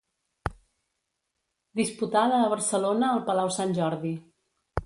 Disputada a Barcelona al Palau Sant Jordi.